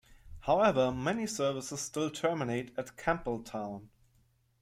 However many services still terminate at Campbelltown.